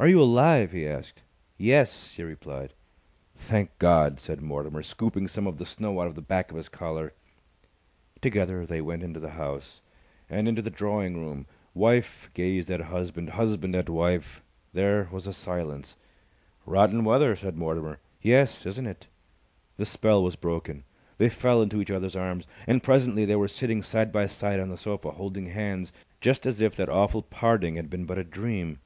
"Are you alive?" he asked. "Yes," she replied. "Thank God!" said Mortimer, scooping some of the snow out of the back of his collar. Together they went into the house, and into the drawing room. Wife gazed at husband, husband at wife. There was a silence. "Rotten weather!" said Mortimer. "Yes, isn't it!" The spell was broken. They fell into each other's arms. And presently they were sitting side by side on the sofa, holding hands, just as if that awful parting had been but a dream.